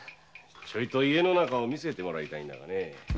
ちょいと家の中を見せてもらいたいんだがね。